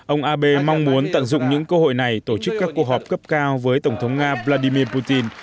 ông abe mong muốn tận dụng những cơ hội này tổ chức các cuộc họp cấp cao với tổng thống nga vladimir putin